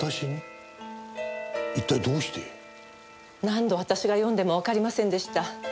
何度私が読んでもわかりませんでした。